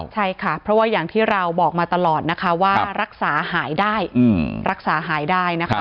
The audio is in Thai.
ใช่ค่ะเพราะว่าอย่างที่เราบอกมาตลอดนะคะว่ารักษาหายได้